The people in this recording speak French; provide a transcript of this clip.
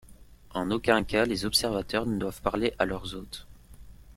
En aucun cas les observateurs ne doivent parler à leurs hôtes.